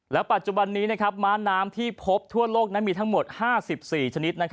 ปัจจุบันนี้ม้าน้ำที่พบทั่วโลกนั้นมีทั้งหมด๕๔ชนิด